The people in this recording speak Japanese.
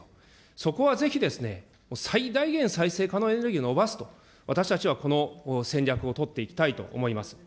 そこはぜひですね、最大限再生可能エネルギー伸ばすと、私たちはこの戦略を取っていきたいと思います。